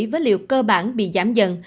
với liệu cơ bản bị giảm dần